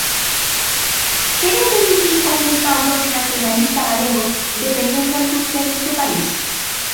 ¿Quéreme dicir onde está o Bloque Nacionalista Galego defendendo a industria deste país?